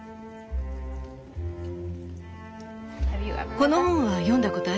この本は読んだことある？